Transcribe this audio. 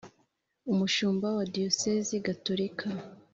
Umushumba wa diyosezi gatolika